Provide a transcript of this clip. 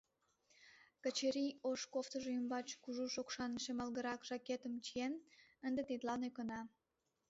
Качырий ош кофтыжо ӱмбач кужу шокшан шемалгырак жакеткым чиен, ынде тидлан ӧкына.